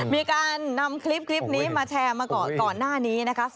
มีการนำคลิปนี้มาแชร์มาก่อนหน้านี้นะคะ